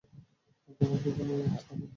তোমাকে এখনই আনতে হবে?